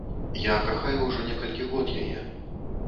Я кахаю ўжо некалькі год яе.